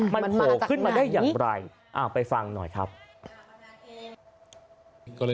มันโผล่ขึ้นมาได้อย่างไรไปฟังหน่อยครับ